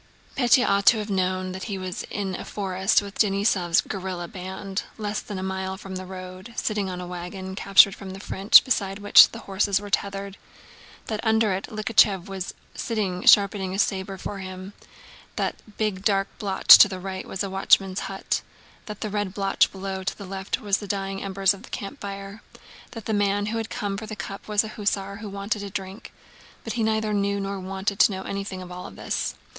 Pétya ought to have known that he was in a forest with Denísov's guerrilla band, less than a mile from the road, sitting on a wagon captured from the French beside which horses were tethered, that under it Likhachëv was sitting sharpening a saber for him, that the big dark blotch to the right was the watchman's hut, and the red blotch below to the left was the dying embers of a campfire, that the man who had come for the cup was an hussar who wanted a drink; but he neither knew nor waited to know anything of all this.